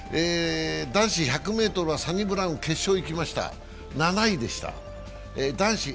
男子１００ｍは、サニブラウンが決勝に行きました。